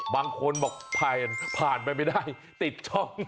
บางคนบอกผ่านผ่านไปไม่ได้ติดช่อง